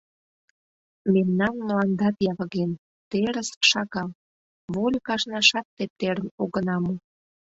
Мемнан мландат явыген, терыс шагал, вольык ашнашат тептерым огына му.